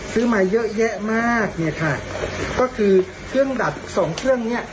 ซื้อมาเยอะแยะมากเนี่ยค่ะก็คือเครื่องดับสองเครื่องเนี้ย